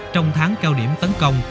trong tháng cao điểm tấn công